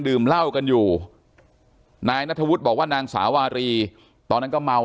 ดื่มเหล้ากันอยู่นายนัทวุฒิบอกว่านางสาวารีตอนนั้นก็เมา